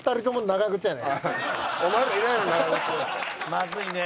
まずいね。